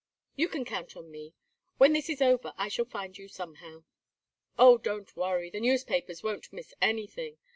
"You can count on me. When this is over I shall find you somehow." "Oh, don't worry. The newspapers won't miss anything.